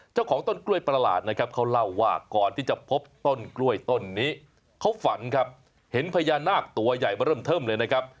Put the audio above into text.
เจ้าของต้นกล้วยประหลาดนะครับเขาเล่าว่าก่อนที่จะพบต้นกล้วยต้นนี้เขาฝันครับเห็นพญานาคตัวใหญ่มาเริ่มเทิมเลยนะครับ